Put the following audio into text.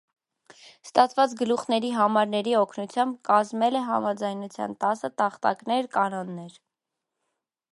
Ստացված գլուխների համարների օգնությամբ կազմել է համաձայնության տասը տախտակներ (կանոններ)։